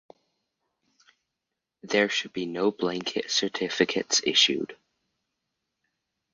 There should be no blanket certificates issued.